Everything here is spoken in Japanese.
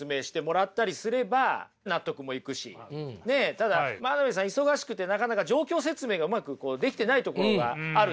ただ真鍋さん忙しくてなかなか状況説明がうまくできてないところがあるっていうことですね。